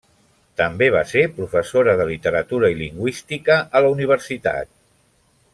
També va ser professora de literatura i lingüística a la universitat.